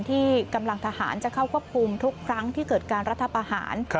ที่กำลังทหารจะเข้าควบคุมทุกครั้งที่เกิดการรัฐประหาร